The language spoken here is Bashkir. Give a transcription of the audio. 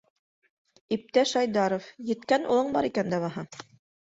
— Иптәш Айдаров, еткән улың бар икән дә баһа.